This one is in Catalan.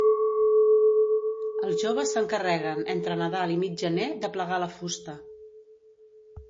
Els joves s'encarreguen entre Nadal i mig gener d'aplegar la fusta.